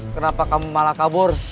kenapa kamu malah kabur